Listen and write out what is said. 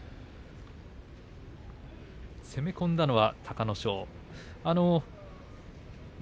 攻め込んだのは隆の勝です。